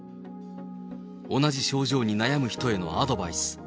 同じ症状に悩む人へのアドバイス。